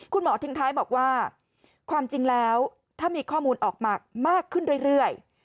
คุณหมอทิ้งท้ายบอกว่าความจริงแล้วถ้ามีข้อมูลออกมามากขึ้นเรื่อย